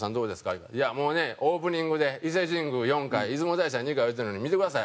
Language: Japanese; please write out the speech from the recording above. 言うから「いやもうねオープニングで伊勢神宮４回出雲大社２回言うてるのに見てください」